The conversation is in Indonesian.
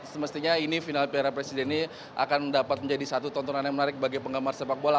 semestinya ini final piala presiden ini akan dapat menjadi satu tontonan yang menarik bagi penggemar sepak bola